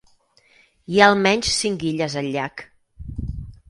Hi ha almenys cinc illes al llac.